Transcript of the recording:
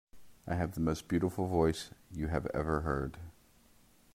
I have the most beautiful voice you have ever heard.